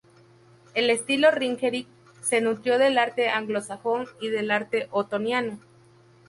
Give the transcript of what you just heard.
El estilo Ringerike se nutrió del arte anglosajón y del arte otoniano.